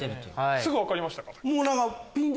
すぐ分かりました？